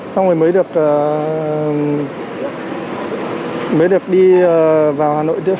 xong rồi mới được đi vào hà nội